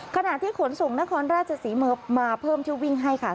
ขณะที่ขนส่งนครราชศรีมาเพิ่มเที่ยววิ่งให้ค่ะ